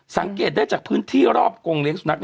สังเกตได้จากพื้นที่รอบกงเลี้ยสุนัข